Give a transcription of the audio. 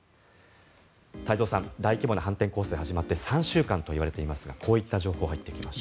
太蔵さん、大規模な反転攻勢が始まって３週間といわれていますがこういった情報入ってきました。